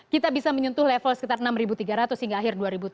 kita bisa menyentuh level sekitar enam tiga ratus hingga akhir dua ribu tujuh belas